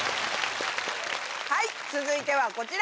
はい続いてはこちら！